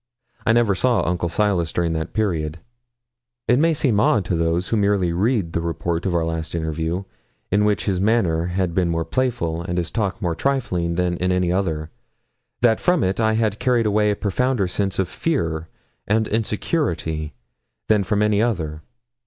I never saw Uncle Silas during that period. It may seem odd to those who merely read the report of our last interview, in which his manner had been more playful and his talk more trifling than in any other, that from it I had carried away a profounder sense of fear and insecurity than from any other.